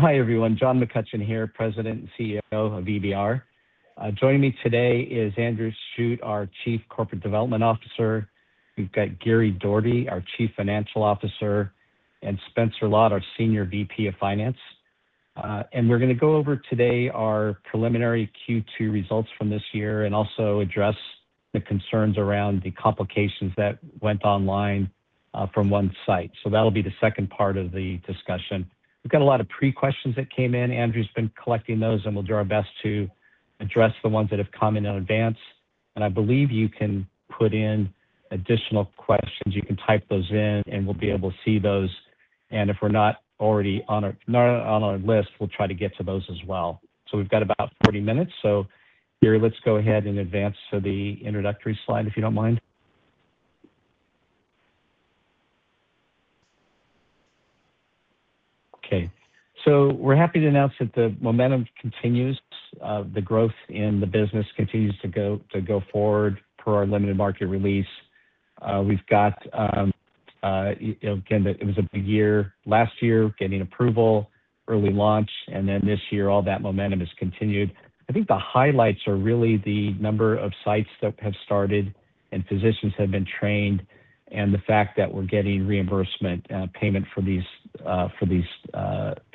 Hi, everyone. John McCutcheon here, President and CEO of EBR. Joining me today is Andrew Shute, our Chief Corporate Development Officer. We've got Gary Doherty, our Chief Financial Officer, and Spencer Lott, our Senior VP of Finance. We're going to go over today our preliminary Q2 results from this year and also address the concerns around the complications that went online from one site. That'll be the second part of the discussion. We've got a lot of pre-questions that came in. Andrew's been collecting those, we'll do our best to address the ones that have come in in advance. I believe you can put in additional questions. You can type those in, we'll be able to see those. If we're not already on our list, we'll try to get to those as well. We've got about 40 minutes. Gary, let's go ahead and advance to the introductory slide, if you don't mind. Okay. We're happy to announce that the momentum continues. The growth in the business continues to go forward per our Limited Market Release. It was a big year last year, getting approval, early launch, this year, all that momentum has continued. I think the highlights are really the number of sites that have started and physicians that have been trained, the fact that we're getting reimbursement payment for these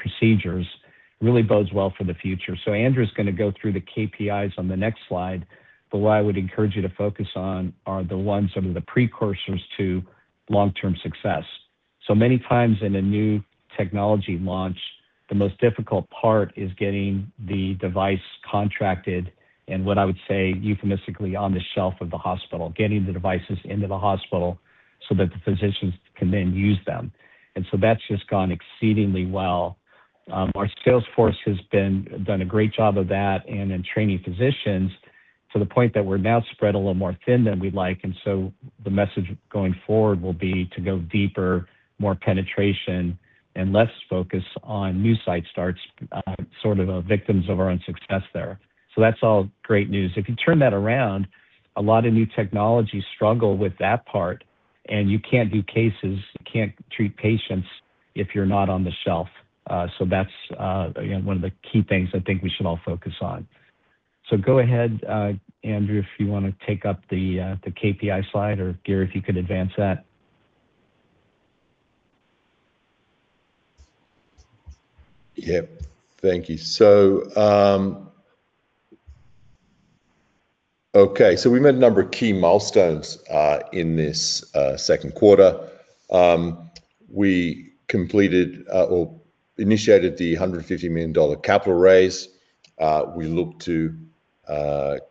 procedures really bodes well for the future. Andrew's going to go through the KPIs on the next slide, but what I would encourage you to focus on are the ones that are the precursors to long-term success. Many times in a new technology launch, the most difficult part is getting the device contracted and what I would say euphemistically on the shelf of the hospital, getting the devices into the hospital so that the physicians can then use them. That's just gone exceedingly well. Our sales force has done a great job of that in training physicians to the point that we're now spread a little more thin than we'd like. The message going forward will be to go deeper, more penetration, less focus on new site starts, sort of victims of our own success there. That's all great news. If you turn that around, a lot of new technologies struggle with that part, you can't do cases, you can't treat patients if you're not on the shelf. That's one of the key things I think we should all focus on. Go ahead, Andrew, if you want to take up the KPI slide, or Gary, if you could advance that. Yep. Okay, we met a number of key milestones in this second quarter. We completed or initiated the 150 million dollar capital raise. We look to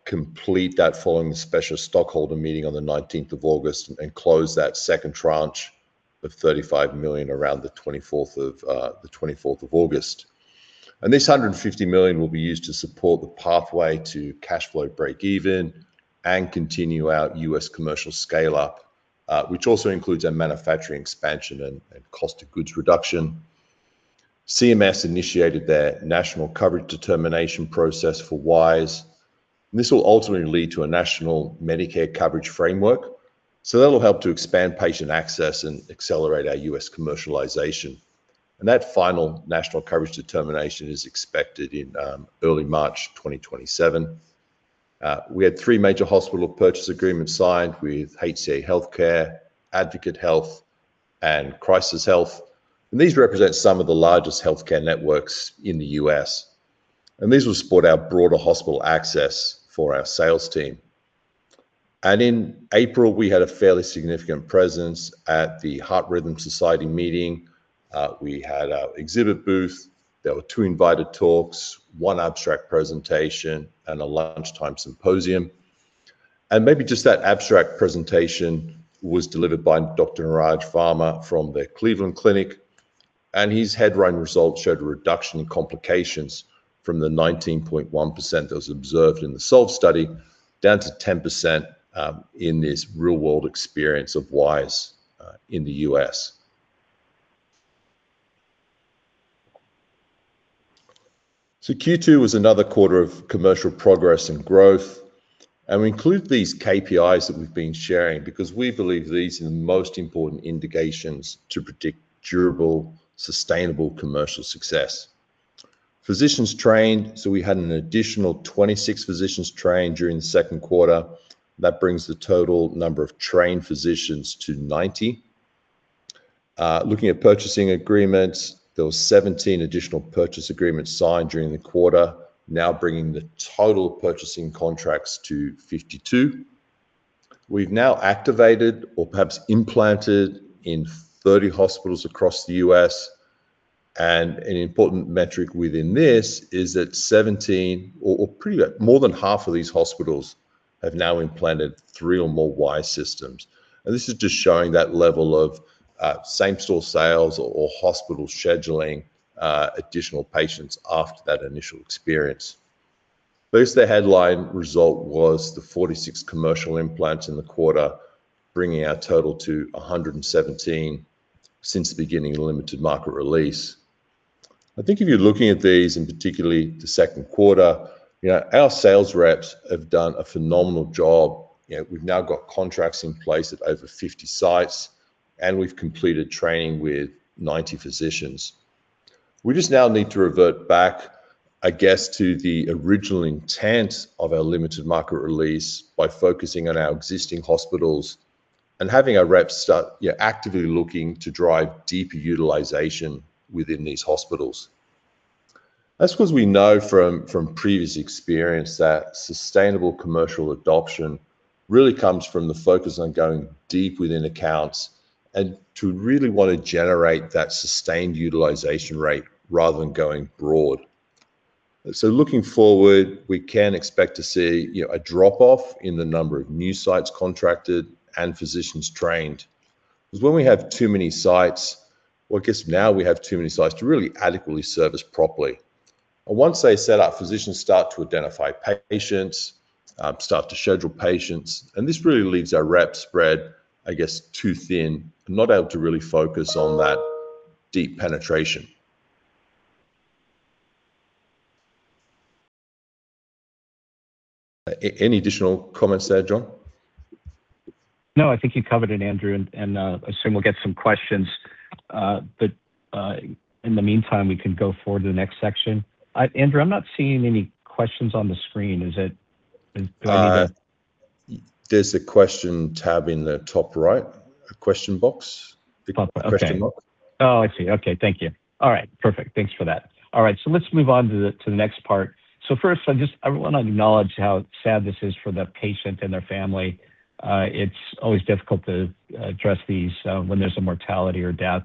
complete that following the special stockholder meeting on August 19 and close that second tranche of 35 million around August 24. This 150 million will be used to support the pathway to cash flow break even and continue our U.S. commercial scale-up, which also includes our manufacturing expansion and cost of goods reduction. CMS initiated their National Coverage Determination process for WiSE. This will ultimately lead to a national Medicare coverage framework. That'll help to expand patient access and accelerate our U.S. commercialization. That final National Coverage Determination is expected in early March 2027. We had three major hospital purchase agreements signed with HCA Healthcare, Advocate Health, and CHRISTUS Health. These represent some of the largest healthcare networks in the U.S. These will support our broader hospital access for our sales team. In April, we had a fairly significant presence at the Heart Rhythm Society meeting. We had our exhibit booth. There were two invited talks, one abstract presentation, and a lunchtime symposium. Maybe just that abstract presentation was delivered by Dr. Niraj Varma from the Cleveland Clinic, and his headline results showed a reduction in complications from the 19.1% that was observed in the SOLVE study down to 10% in this real-world experience of WiSE in the U.S. Q2 was another quarter of commercial progress and growth, and we include these KPIs that we've been sharing because we believe these are the most important indications to predict durable, sustainable commercial success. Physicians trained, we had an additional 26 physicians trained during the second quarter. That brings the total number of trained physicians to 90. Looking at purchasing agreements, there were 17 additional purchase agreements signed during the quarter, now bringing the total purchasing contracts to 52. We've now activated or perhaps implanted in 30 hospitals across the U.S. An important metric within this is that 17 or more than half of these hospitals have now implanted three or more WiSE systems. This is just showing that level of same-store sales or hospital scheduling additional patients after that initial experience. It's the headline result was the 46 commercial implants in the quarter, bringing our total to 117 since the beginning of Limited Market Release. I think if you're looking at these in particularly the second quarter, our sales reps have done a phenomenal job. We've now got contracts in place at over 50 sites. We've completed training with 90 physicians. We just now need to revert back, I guess, to the original intent of our Limited Market Release by focusing on our existing hospitals and having our reps start actively looking to drive deeper utilization within these hospitals. That's because we know from previous experience that sustainable commercial adoption really comes from the focus on going deep within accounts and to really want to generate that sustained utilization rate rather than going broad. Looking forward, we can expect to see a drop-off in the number of new sites contracted and physicians trained. Because when we have too many sites, or I guess now we have too many sites to really adequately service properly. Once they set up, physicians start to identify patients, start to schedule patients, and this really leaves our reps spread, I guess, too thin and not able to really focus on that deep penetration. Any additional comments there, John? No, I think you covered it, Andrew, and I assume we'll get some questions. In the meantime, we can go forward to the next section. Andrew, I'm not seeing any questions on the screen. There's a question tab in the top right, a question box. Okay. Question box. Oh, I see. Okay. Thank you. All right, perfect. Thanks for that. Let's move on to the next part. First, I want to acknowledge how sad this is for the patient and their family. It's always difficult to address these when there's a mortality or death.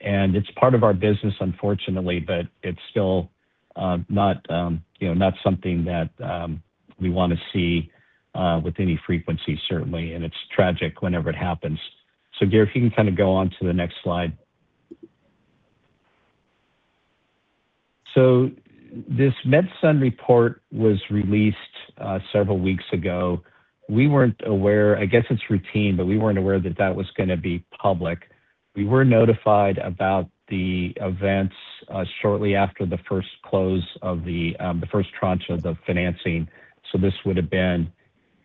It's part of our business, unfortunately, but it's still not something that we want to see with any frequency, certainly. It's tragic whenever it happens. Gary, if you can go on to the next slide. This MedSun report was released several weeks ago. We weren't aware. I guess it's routine, but we weren't aware that that was going to be public. We were notified about the events shortly after the first close of the first tranche of the financing. This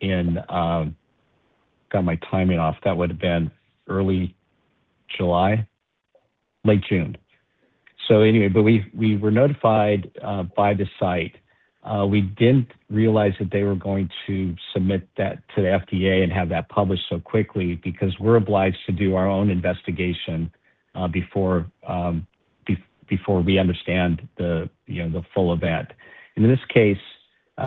would've been in. Got my timing off. That would've been early July, late June. Anyway, we were notified by the site. We didn't realize that they were going to submit that to the FDA and have that published so quickly, because we're obliged to do our own investigation before we understand the full event. In this case,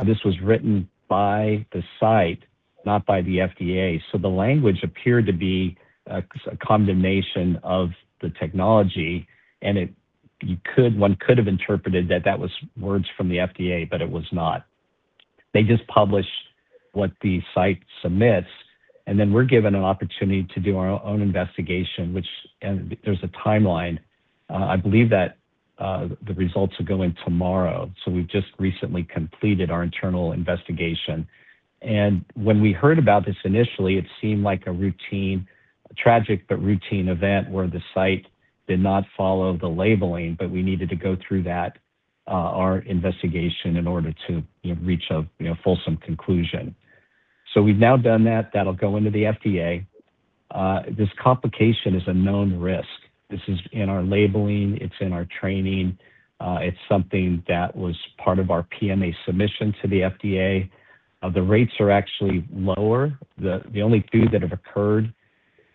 this was written by the site, not by the FDA. The language appeared to be a condemnation of the technology, and one could have interpreted that that was words from the FDA, but it was not. They just published what the site submits, and then we're given an opportunity to do our own investigation, and there's a timeline. I believe that the results are going tomorrow. We've just recently completed our internal investigation. When we heard about this initially, it seemed like a tragic, but routine event where the site did not follow the labeling, but we needed to go through our investigation in order to reach a fulsome conclusion. We've now done that. That'll go into the FDA. This complication is a known risk. This is in our labeling. It's in our training. It's something that was part of our PMA submission to the FDA. The rates are actually lower. The only two that have occurred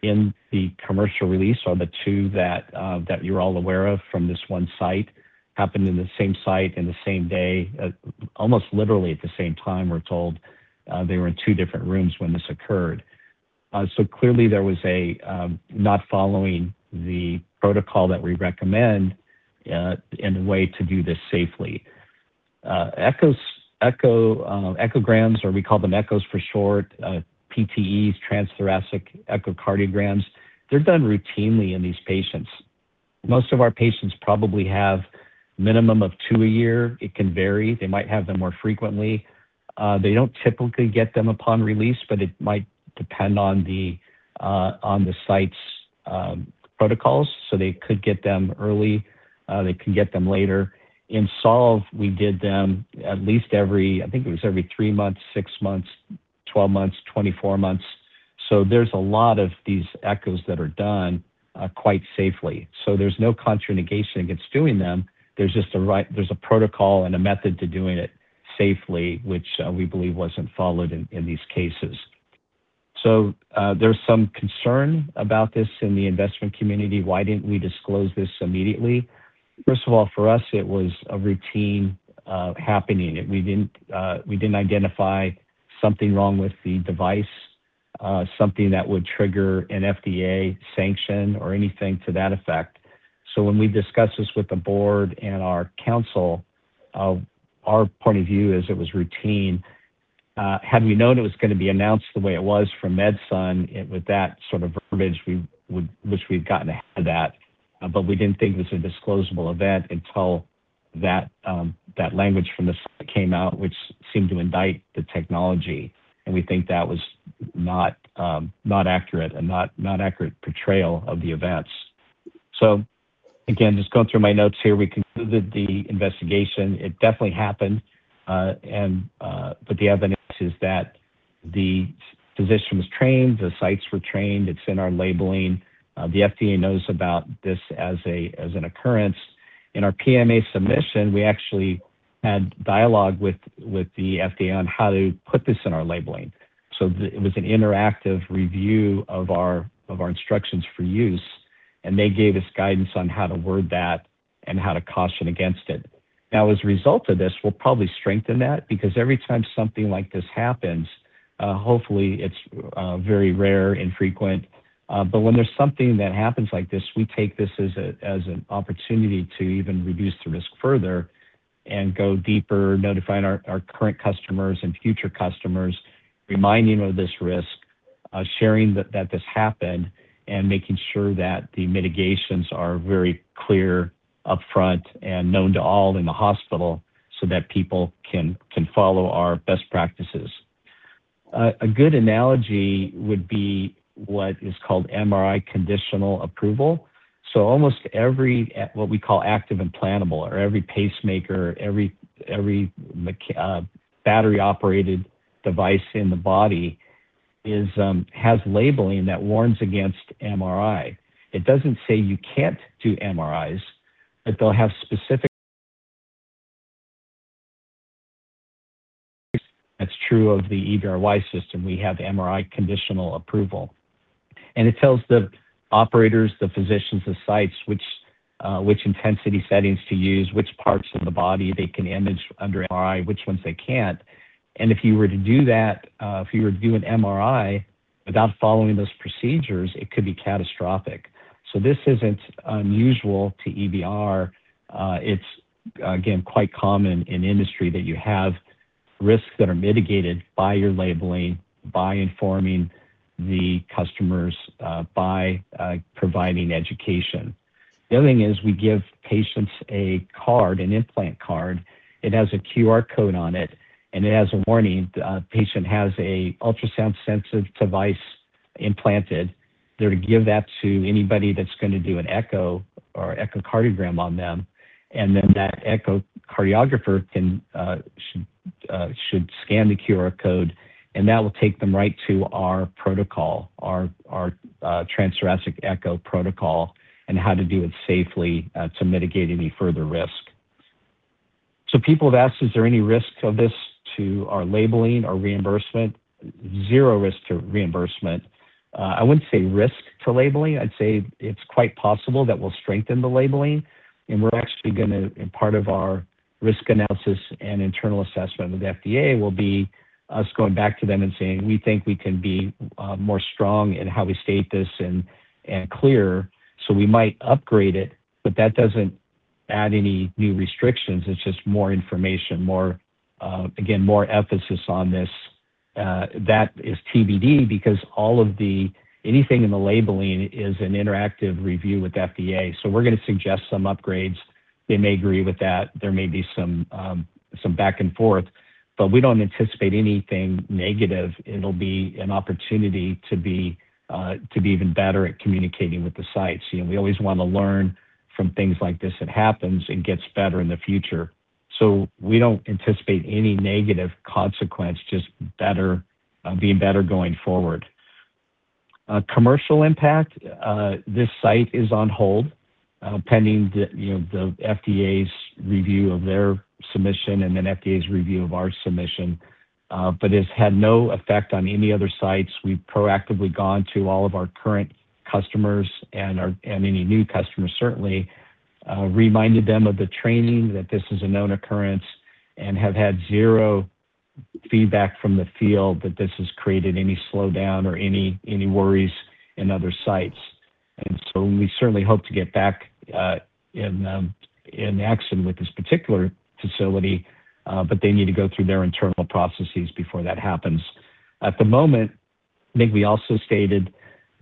in the commercial release are the two that you're all aware of from this one site, happened in the same site on the same day, almost literally at the same time, we're told. They were in two different rooms when this occurred. Clearly, there was a not following the protocol that we recommend and the way to do this safely. Echograms, or we call them echoes for short, TTEs, transthoracic echocardiograms, they're done routinely in these patients. Most of our patients probably have minimum of two a year. It can vary. They might have them more frequently. They don't typically get them upon release, but it might depend on the site's protocols. They could get them early. They can get them later. In SOLVE, we did them at least every, I think it was every three months, six months, 12 months, 24 months. There's a lot of these echoes that are done quite safely. There's no contraindication against doing them. There's a protocol and a method to doing it safely, which we believe wasn't followed in these cases. There's some concern about this in the investment community. Why didn't we disclose this immediately? First of all, for us, it was a routine happening. We didn't identify something wrong with the device, something that would trigger an FDA sanction or anything to that effect. When we discussed this with the board and our counsel, our point of view is it was routine. Had we known it was going to be announced the way it was from MedSun, with that sort of verbiage, wish we'd gotten ahead of that. We didn't think it was a disclosable event until that language from the site came out, which seemed to indict the technology, and we think that was not accurate, a not accurate portrayal of the events. Again, just going through my notes here, we concluded the investigation. It definitely happened, but the evidence is that the physician was trained, the sites were trained, it's in our labeling. The FDA knows about this as an occurrence. In our PMA submission, we actually had dialogue with the FDA on how to put this in our labeling. It was an interactive review of our instructions for use, and they gave us guidance on how to word that and how to caution against it. As a result of this, we'll probably strengthen that because every time something like this happens, hopefully it's very rare, infrequent. When there's something that happens like this, we take this as an opportunity to even reduce the risk further and go deeper, notifying our current customers and future customers, reminding them of this risk, sharing that this happened, and making sure that the mitigations are very clear, upfront, and known to all in the hospital so that people can follow our best practices. A good analogy would be what is called MRI conditional approval. Almost every, what we call active implantable, or every pacemaker, every battery-operated device in the body has labeling that warns against MRI. It doesn't say you can't do MRIs, but they'll have specific. That's true of the EBR WiSE System. We have MRI conditional approval. It tells the operators, the physicians, the sites, which intensity settings to use, which parts of the body they can image under MRI, which ones they can't, and if you were to do an MRI without following those procedures, it could be catastrophic. This isn't unusual to EBR. It's, again, quite common in industry that you have risks that are mitigated by your labeling, by informing the customers, by providing education. The other thing is we give patients a card, an implant card. It has a QR code on it, and it has a warning. The patient has a ultrasound-sensitive device implanted. They're to give that to anybody that's going to do an echo or echocardiogram on them, and then that echocardiographer should scan the QR code, and that will take them right to our protocol, our transthoracic echo protocol, and how to do it safely to mitigate any further risk. People have asked, is there any risk of this to our labeling or reimbursement? Zero risk to reimbursement. I wouldn't say risk to labeling. I'd say it's quite possible that we'll strengthen the labeling, and we're actually going to, in part of our risk analysis and internal assessment with FDA, will be us going back to them and saying, "We think we can be more strong in how we state this and clearer." We might upgrade it, but that doesn't add any new restrictions. It's just more information. Again, more emphasis on this. That is TBD because anything in the labeling is an interactive review with FDA. We're going to suggest some upgrades. They may agree with that. There may be some back and forth. We don't anticipate anything negative. It'll be an opportunity to be even better at communicating with the sites. We always want to learn from things like this that happens and gets better in the future. We don't anticipate any negative consequence, just being better going forward. Commercial impact, this site is on hold, pending the FDA's review of their submission and then FDA's review of our submission. It's had no effect on any other sites. We've proactively gone to all of our current customers and any new customers, certainly, reminded them of the training, that this is a known occurrence, and have had zero feedback from the field that this has created any slowdown or any worries in other sites. We certainly hope to get back in action with this particular facility, but they need to go through their internal processes before that happens. At the moment, I think we also stated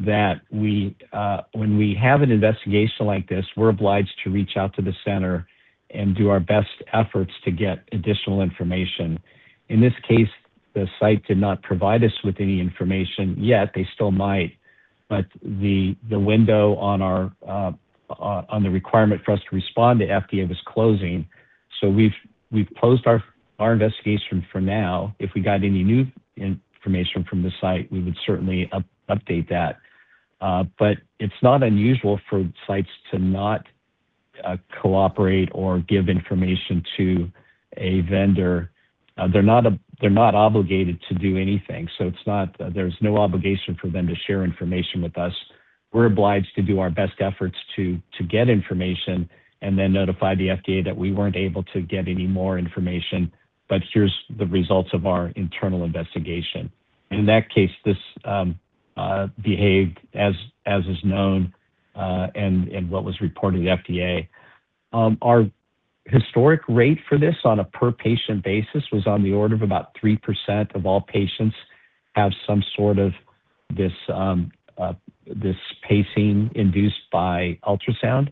that when we have an investigation like this, we're obliged to reach out to the center and do our best efforts to get additional information. In this case, the site did not provide us with any information, yet they still might. The window on the requirement for us to respond to FDA was closing, so we've closed our investigation for now. If we got any new information from the site, we would certainly update that. It's not unusual for sites to not cooperate or give information to a vendor. They're not obligated to do anything. There's no obligation for them to share information with us. We're obliged to do our best efforts to get information and then notify the FDA that we weren't able to get any more information, but here's the results of our internal investigation. In that case, this behaved as is known, and what was reported to the FDA. Our historic rate for this on a per-patient basis was on the order of about 3% of all patients have some sort of this pacing induced by ultrasound.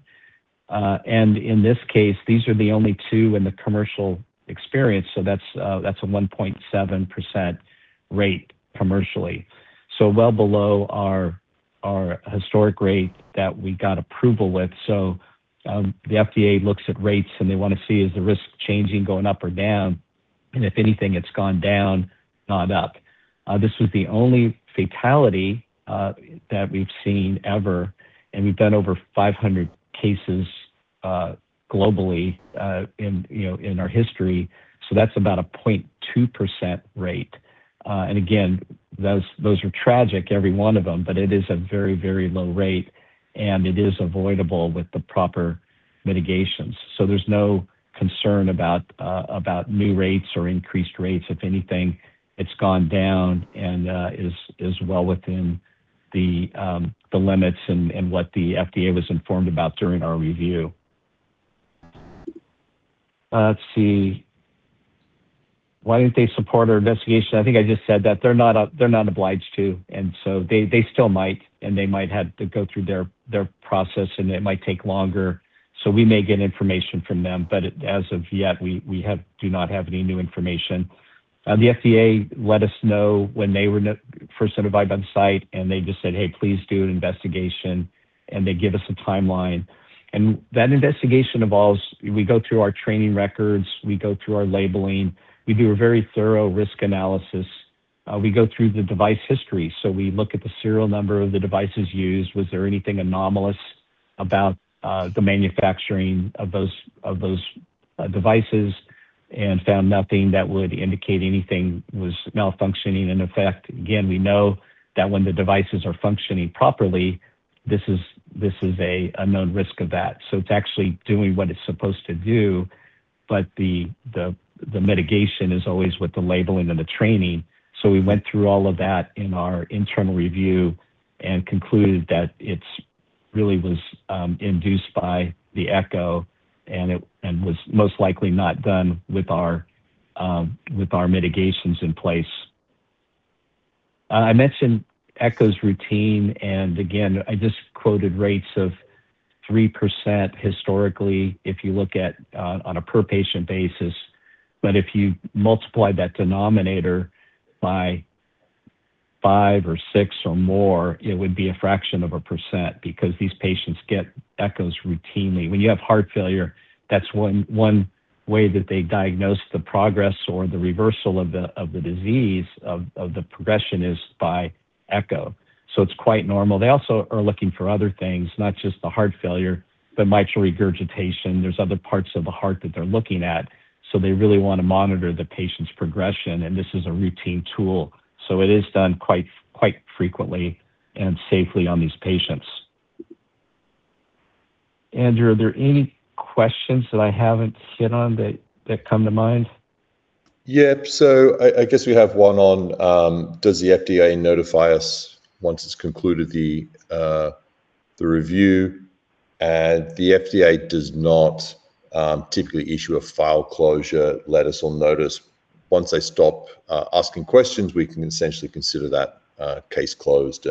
In this case, these are the only two in the commercial experience, so that's a 1.7% rate commercially. Well below our historic rate that we got approval with. The FDA looks at rates and they want to see is the risk changing, going up or down, and if anything, it's gone down, not up. This was the only fatality that we've seen ever. We've done over 500 cases globally in our history. That's about a 0.2% rate. Again, those are tragic, every one of them, but it is a very, very low rate and it is avoidable with the proper mitigations. There's no concern about new rates or increased rates. If anything, it's gone down and is well within the limits and what the FDA was informed about during our review. Let's see. Why didn't they support our investigation? I think I just said that. They're not obliged to. They still might, and they might have to go through their process, and it might take longer. We may get information from them, as of yet, we do not have any new information. The FDA let us know when they were first notified on site, they just said, "Hey, please do an investigation," they give us a timeline. That investigation involves, we go through our training records, we go through our labeling. We do a very thorough risk analysis. We go through the device history. We look at the serial number of the devices used, was there anything anomalous about the manufacturing of those devices, and found nothing that would indicate anything was malfunctioning. In effect, again, we know that when the devices are functioning properly, this is a known risk of that. It's actually doing what it's supposed to do, but the mitigation is always with the labeling and the training. We went through all of that in our internal review concluded that it really was induced by the echo, was most likely not done with our mitigations in place. I mentioned echoes routine, again, I just quoted rates of 3% historically if you look at on a per-patient basis. If you multiply that denominator by five or six or more, it would be a fraction of a percent because these patients get echoes routinely. When you have heart failure, that's one way that they diagnose the progress or the reversal of the disease, of the progression is by echo. It's quite normal. They also are looking for other things, not just the heart failure, but mitral regurgitation. There's other parts of the heart that they're looking at. They really want to monitor the patient's progression, this is a routine tool. It is done quite frequently and safely on these patients. Andrew, are there any questions that I haven't hit on that come to mind? Yep. I guess we have one on, does the FDA notify us once it's concluded the review? The FDA does not typically issue a file closure letter or notice. Once they stop asking questions, we can essentially consider that case closed.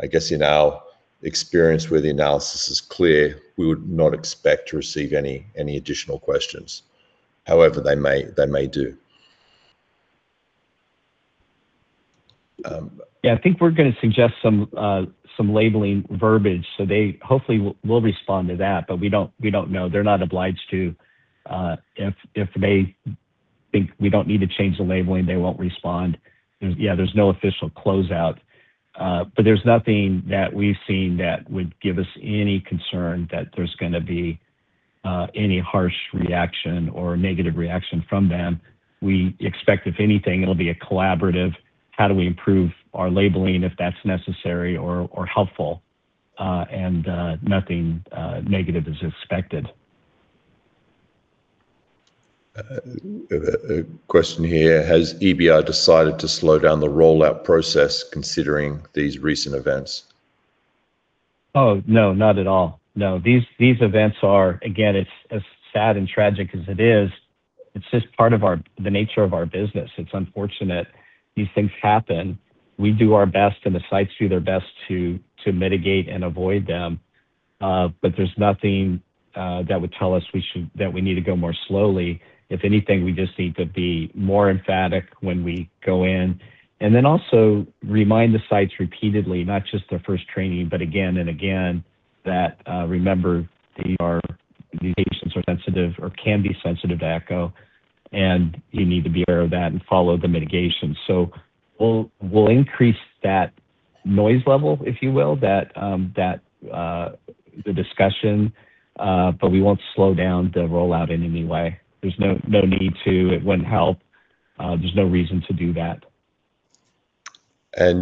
I guess in our experience where the analysis is clear, we would not expect to receive any additional questions. However, they may do. Yeah, I think we're going to suggest some labeling verbiage. They hopefully will respond to that. We don't know. They're not obliged to. If they think we don't need to change the labeling, they won't respond. Yeah, there's no official closeout. There's nothing that we've seen that would give us any concern that there's going to be any harsh reaction or a negative reaction from them. We expect, if anything, it'll be a collaborative, how do we improve our labeling if that's necessary or helpful, and nothing negative is expected. A question here. Has EBR decided to slow down the rollout process considering these recent events? Oh, no. Not at all. No. These events are, again, as sad and tragic as it is, it's just part of the nature of our business. It's unfortunate. These things happen. We do our best, and the sites do their best to mitigate and avoid them. There's nothing that would tell us that we need to go more slowly. If anything, we just need to be more emphatic when we go in. Also remind the sites repeatedly, not just their first training, but again and again, that remember these patients are sensitive or can be sensitive to echo, and you need to be aware of that and follow the mitigation. We'll increase that noise level, if you will, the discussion. We won't slow down the rollout in any way. There's no need to. It wouldn't help. There's no reason to do that.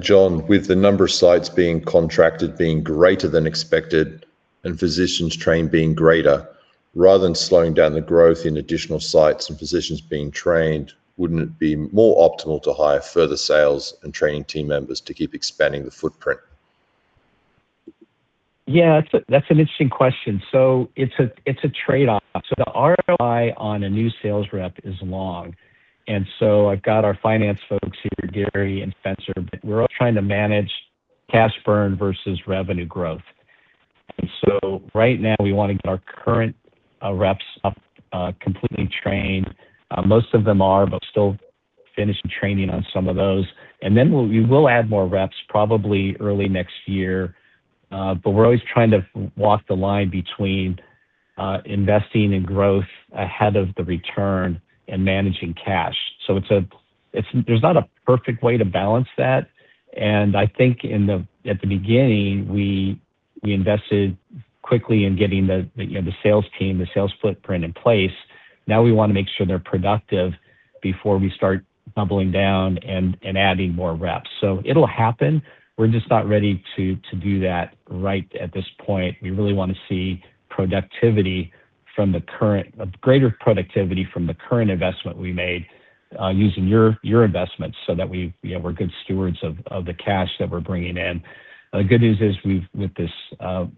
John, with the number of sites being contracted being greater than expected and physicians trained being greater, rather than slowing down the growth in additional sites and physicians being trained, wouldn't it be more optimal to hire further sales and training team members to keep expanding the footprint? Yeah, that's an interesting question. It's a trade-off. The ROI on a new sales rep is long. I've got our finance folks here, Gary and Spencer. We're all trying to manage cash burn versus revenue growth. Right now we want to get our current reps up completely trained. Most of them are, but still finishing training on some of those. Then we will add more reps, probably early next year. We're always trying to walk the line between investing in growth ahead of the return and managing cash. There's not a perfect way to balance that, and I think at the beginning, we invested quickly in getting the sales team, the sales footprint in place. Now we want to make sure they're productive before we start bubbling down and adding more reps. It'll happen. We're just not ready to do that right at this point. We really want to see greater productivity from the current investment we made, using your investments so that we're good stewards of the cash that we're bringing in. The good news is with this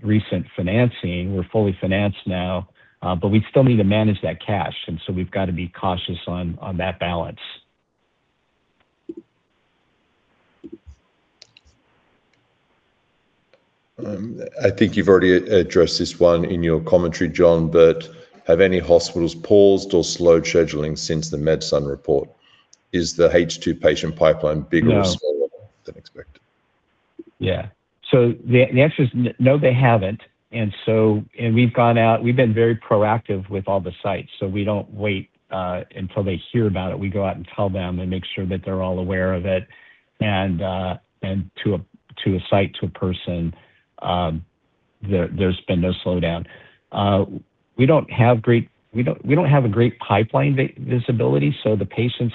recent financing, we're fully financed now, but we still need to manage that cash, and so we've got to be cautious on that balance. I think you've already addressed this one in your commentary, John, but have any hospitals paused or slowed scheduling since the MedSun report? Is the H2 patient pipeline bigger- No. Or smaller than expected? The answer is no, they haven't. We've been very proactive with all the sites, so we don't wait until they hear about it. We go out and tell them and make sure that they're all aware of it. To a site, to a person, there's been no slowdown. We don't have a great pipeline visibility, so the patients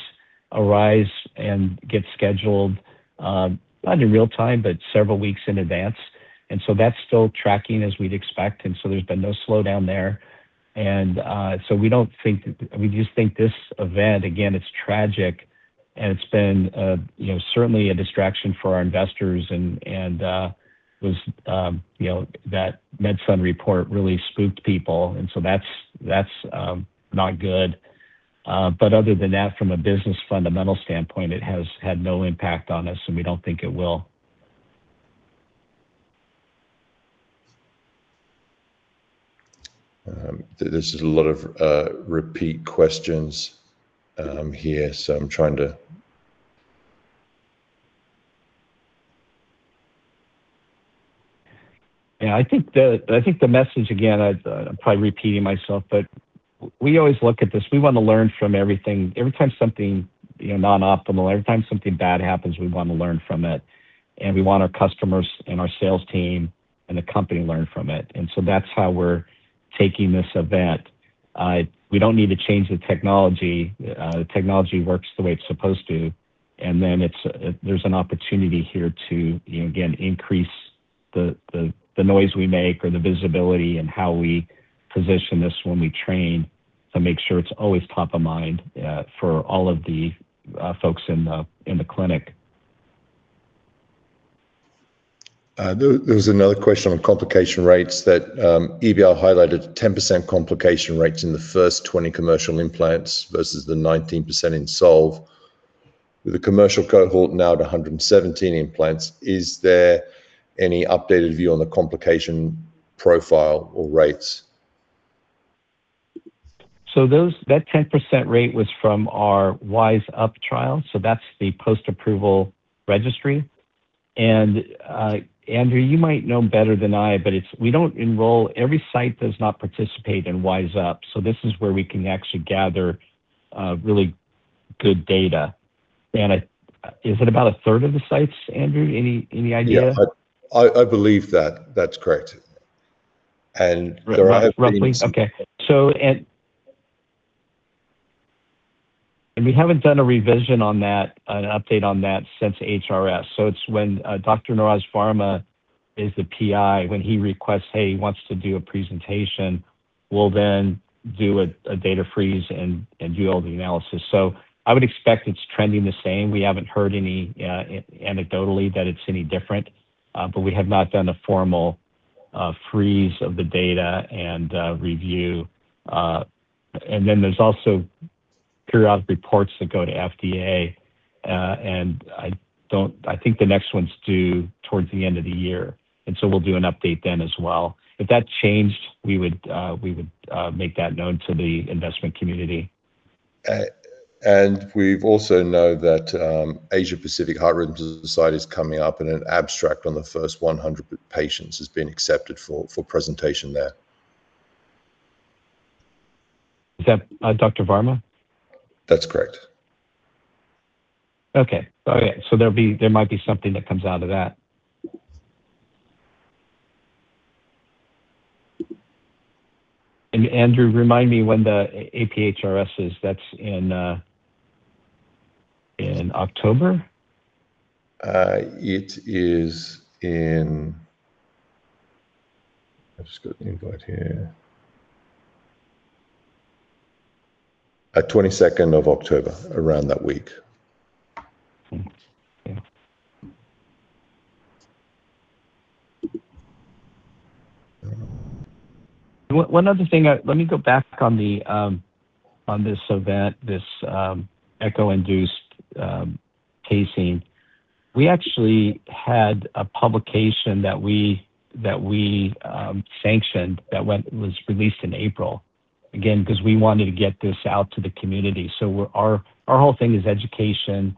arise and get scheduled, not in real time, but several weeks in advance. That's still tracking as we'd expect, and so there's been no slowdown there. We just think this event, again, it's tragic and it's been certainly a distraction for our investors and that MedSun report really spooked people, and so that's not good. Other than that, from a business fundamental standpoint, it has had no impact on us and we don't think it will. There's a lot of repeat questions here. I'm trying to- I think the message again, I'm probably repeating myself, we always look at this. We want to learn from everything. Every time something non-optimal, every time something bad happens, we want to learn from it, and we want our customers and our sales team and the company learn from it. That's how we're taking this event. We don't need to change the technology. The technology works the way it's supposed to, there's an opportunity here to again, increase the noise we make or the visibility and how we position this when we train to make sure it's always top of mind for all of the folks in the clinic. There was another question on complication rates that EBR highlighted 10% complication rates in the first 20 commercial implants versus the 19% in SOLVE. With the commercial cohort now at 117 implants, is there any updated view on the complication profile or rates? That 10% rate was from our WiSE-Up trial, that's the post-approval registry. Andrew, you might know better than I, but every site does not participate in WiSE-Up. This is where we can actually gather really good data. Is it about a third of the sites, Andrew? Any idea? Yeah. I believe that's correct. There have been some- Roughly. Okay. We haven't done a revision on that, an update on that since HRS. It's when Dr. Niraj Varma is the PI, when he requests, hey, he wants to do a presentation, we'll then do a data freeze and do all the analysis. I would expect it's trending the same. We haven't heard anecdotally that it's any different, but we have not done a formal freeze of the data and review. There's also periodic reports that go to FDA, and I think the next one's due towards the end of the year. We'll do an update then as well. If that changed, we would make that known to the investment community. We also know that Asia Pacific Heart Rhythm Society is coming up and an abstract on the first 100 patients has been accepted for presentation there. Is that Dr. Varma? That's correct. Okay. There might be something that comes out of that. Andrew, remind me when the APHRS is. That's in October? It is in I've just got the invite here. On October 22nd, around that week. Hmm. Okay. One other thing, let me go back on this event, this echo-induced pacing. We actually had a publication that we sanctioned that was released in April, again, because we wanted to get this out to the community. Our whole thing is education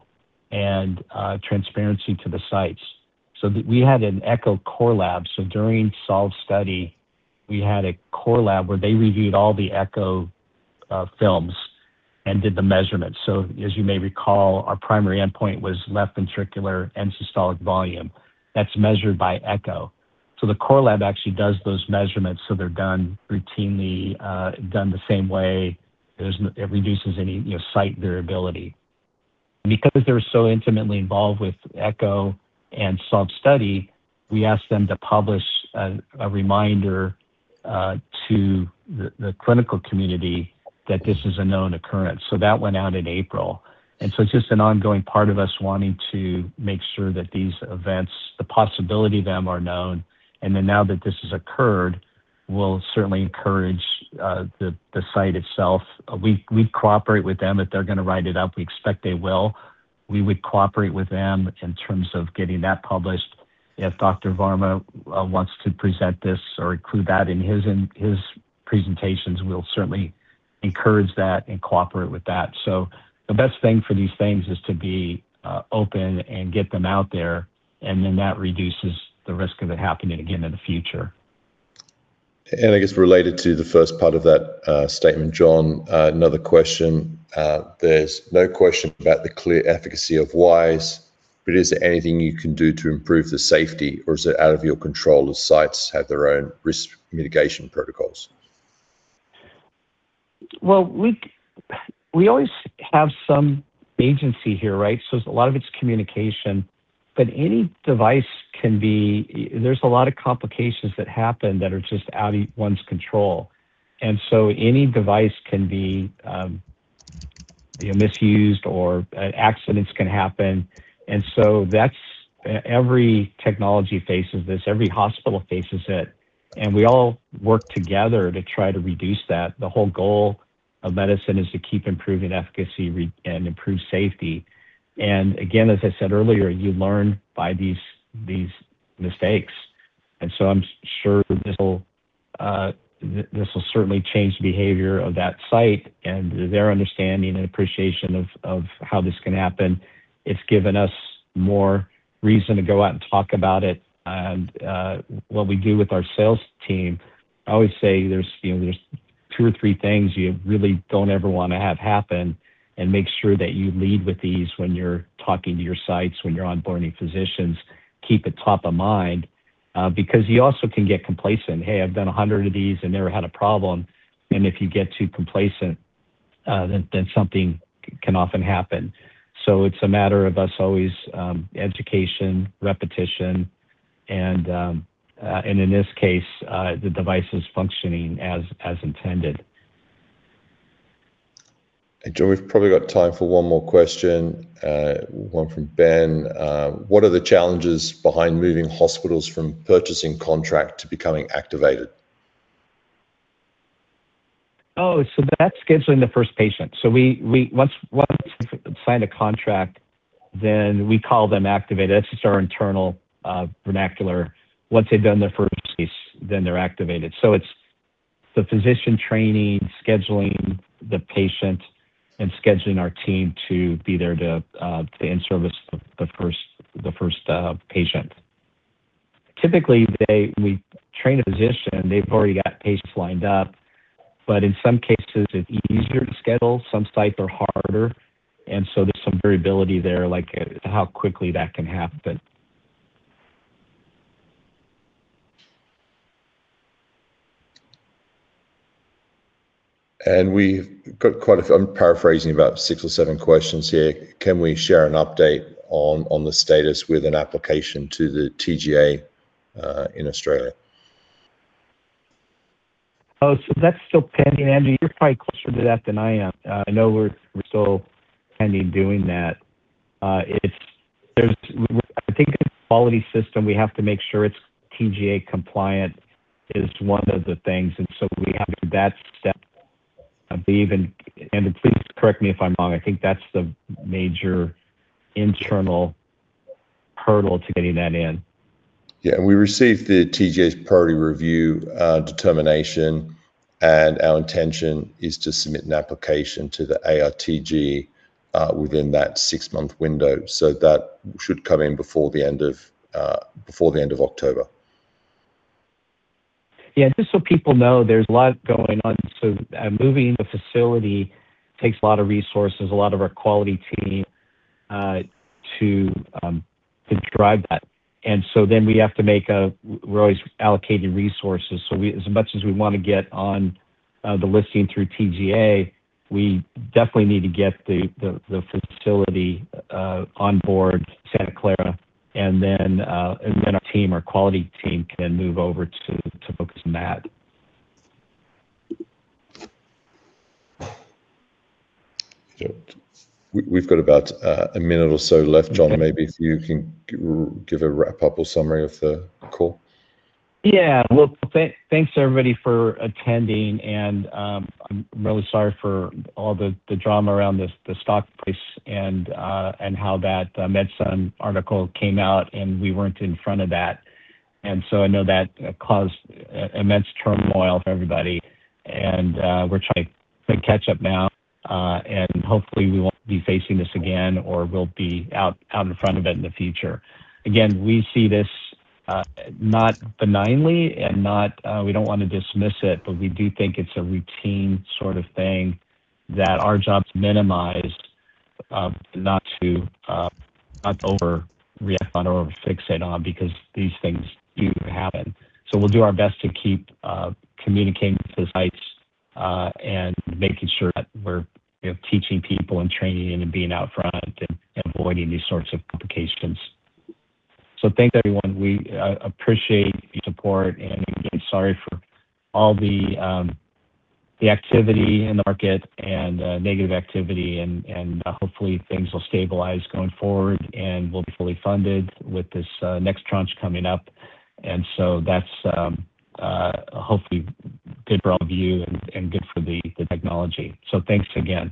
and transparency to the sites. We had an echo core lab. During SOLVE study, we had a core lab where they reviewed all the echo films and did the measurements. As you may recall, our primary endpoint was left ventricular end-systolic volume. That's measured by echo. The core lab actually does those measurements so they're done routinely, done the same way. It reduces any site variability. Because they were so intimately involved with echo and SOLVE study, we asked them to publish a reminder to the clinical community that this is a known occurrence. That went out in April. It's just an ongoing part of us wanting to make sure that these events, the possibility of them, are known. Now that this has occurred, we'll certainly encourage the site itself. We'd cooperate with them if they're going to write it up. We expect they will. We would cooperate with them in terms of getting that published. If Dr. Varma wants to present this or include that in his presentations, we'll certainly encourage that and cooperate with that. The best thing for these things is to be open and get them out there, and then that reduces the risk of it happening again in the future. I guess related to the first part of that statement, John, another question. There's no question about the clear efficacy of WiSE, but is there anything you can do to improve the safety? Or is it out of your control if sites have their own risk mitigation protocols? Well, we always have some agency here, right? A lot of it's communication. Any device can be. There's a lot of complications that happen that are just out of one's control. Any device can be misused or accidents can happen. Every technology faces this. Every hospital faces it, and we all work together to try to reduce that. The whole goal of medicine is to keep improving efficacy and improve safety. Again, as I said earlier, you learn by these mistakes. I'm sure this will certainly change the behavior of that site and their understanding and appreciation of how this can happen. It's given us more reason to go out and talk about it. What we do with our sales team, I always say there's two or three things you really don't ever want to have happen, and make sure that you lead with these when you're talking to your sites, when you're onboarding physicians. Keep it top of mind, because you also can get complacent. Hey, I've done 100 of these and never had a problem. If you get too complacent, then something can often happen. It's a matter of us always education, repetition, and in this case the device is functioning as intended. John, we've probably got time for one more question, one from Ben. What are the challenges behind moving hospitals from purchasing contract to becoming activated? That's scheduling the first patient. Once we've signed a contract, then we call them activated. That's just our internal vernacular. Once they've done their first case, then they're activated. It's the physician training, scheduling the patient, and scheduling our team to be there to in-service the first patient. Typically, we train a physician, they've already got patients lined up. In some cases, it's easier to schedule. Some sites are harder, there's some variability there, like how quickly that can happen. We've got I'm paraphrasing about six or seven questions here. Can we share an update on the status with an application to the TGA in Australia? That's still pending. Andrew, you're probably closer to that than I am. I know we're still pending doing that. I think the quality system, we have to make sure it's TGA compliant is one of the things. We have that step. Andrew, please correct me if I'm wrong. I think that's the major internal hurdle to getting that in. We received the TGA's priority review determination. Our intention is to submit an application to the ARTG within that six-month window. That should come in before the end of October. Just so people know, there's a lot going on. Moving the facility takes a lot of resources, a lot of our quality team to drive that. We're always allocating resources. As much as we want to get on the listing through TGA, we definitely need to get the facility on board Santa Clara, and then our team, our quality team, can move over to focus on that. We've got about a minute or so left, John. Maybe you can give a wrap-up or summary of the call. Thanks, everybody, for attending. I'm really sorry for all the drama around the stock price and how that MedSun article came out, we weren't in front of that. I know that caused immense turmoil for everybody, and we're trying to play catch up now. Hopefully, we won't be facing this again, or we'll be out in front of it in the future. Again, we see this not benignly, and we don't want to dismiss it, but we do think it's a routine sort of thing that our job's minimized not to overreact on or over fixate on, because these things do happen. We'll do our best to keep communicating with the sites and making sure that we're teaching people and training and being out front and avoiding these sorts of complications. Thanks, everyone. We appreciate your support, again, sorry for all the activity in the market and negative activity. Hopefully things will stabilize going forward, and we'll be fully funded with this next tranche coming up. That's hopefully good for all of you and good for the technology. Thanks again